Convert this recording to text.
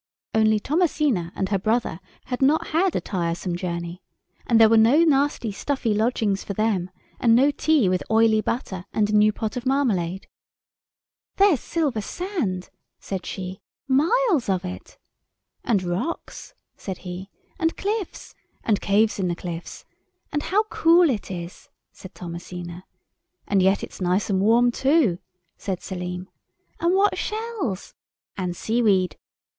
Only Thomasina and her brother had not had a tiresome journey—and there were no nasty, stuffy lodgings for them, and no tea with oily butter and a new pot of marmalade. "There's silver sand," said she—"miles of it." "And rocks," said he. "And cliffs." "And caves in the cliffs." "And how cool it is," said Thomasina. "And yet it's nice and warm too," said Selim. "And what shells!" "And seaweed."